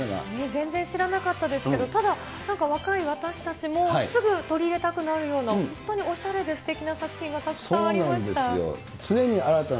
全然知らなかったですけど、ただ、なんか若い私たちも、すぐ取り入れたくなるような、本当におしゃれですてきな作品がたくさんありました。